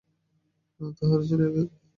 না, তাঁহারা চলিয়া গেছেন।